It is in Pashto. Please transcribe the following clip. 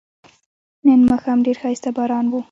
نن ماښام ډیر خایسته باران و